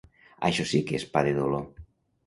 Això sí que és pa de dolor.